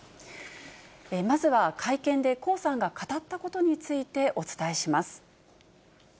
まずは会見で江さんが語ったことについてお伝えします。